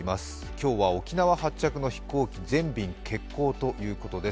今日は沖縄発着の飛行機全便欠航ということです。